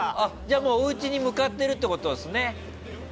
もう、おうちに向かってるってことですね。